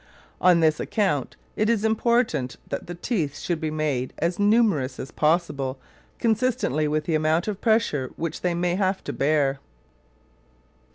On this account it is important that the teeth should be made as numerous as possible consistently with the amount of pressure which they may have to bear.